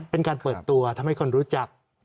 เป็นการเปิดตัวทำให้คนรู้จัก